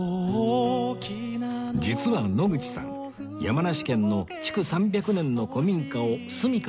実は野口さん山梨県の築３００年の古民家を住み家として購入